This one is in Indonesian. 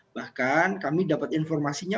bahkan kami dapat informasinya